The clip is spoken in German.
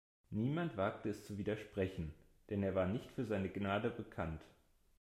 Niemand wagte es zu widersprechen, denn er war nicht für seine Gnade bekannt.